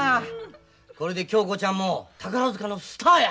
これで恭子ちゃんも宝塚のスターや！